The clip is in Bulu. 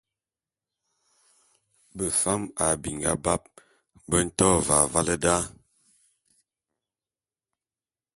Befam a binga bap bese be nto ve avale da.